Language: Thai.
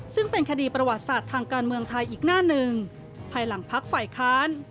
ซึ่งเป็นคดีประวัติศาสตร์ทางการเมืองไทยอีกหน้าหนึ่งภายหลังพักฝ่ายค้าน